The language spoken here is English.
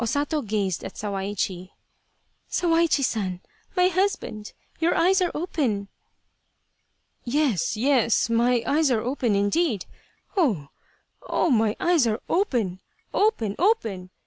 Sato gazed at Sawaichi :" Sawaichi San ! My husband ! Your eyes are open !"" Yes, yes, my eyes are open indeed ! Oh, oh, my eyes are open, open, open